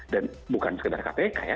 bukan sekedar kpk ya